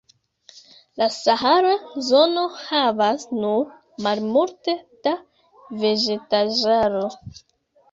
La sahara zono havas nur malmulte da vegetaĵaro.